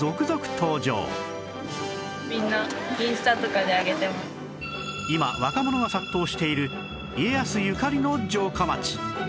このあとも今若者が殺到している家康ゆかりの城下町